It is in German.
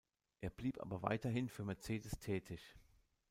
Er blieb aber weiterhin für Mercedes tätig.